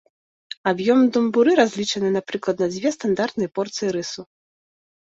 Аб'ём домбуры разлічаны на прыкладна дзве стандартныя порцыі рысу.